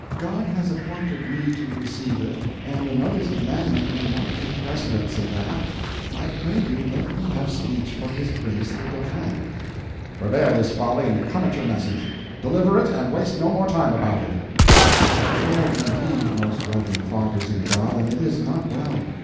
"God has appointed me to receive it, and another's commandment may not take precedence of that. I pray you let me have speech for his grace the Dauphin." "Forbear this folly, and come at your message! Deliver it, and waste no more time about it." "You err indeed, most reverend fathers in God, and it is not well.